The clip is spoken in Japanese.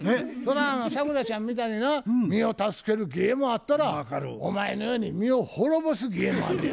サクラちゃんみたいにな身を助ける芸もあったらお前のように身を滅ぼす芸もあんねや。